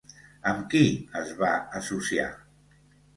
Amb qui es va associar?